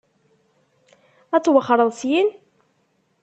Ad twexxṛeḍ syin?